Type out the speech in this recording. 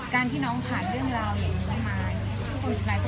การที่น้องผ่านด้วยเหล่านี้